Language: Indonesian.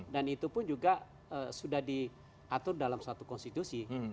dan itu pun juga sudah diatur dalam satu konstitusi